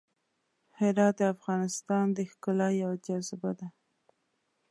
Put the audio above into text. هرات د افغانستان د ښکلا یوه جاذبه ده.